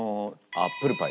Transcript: アップルパイ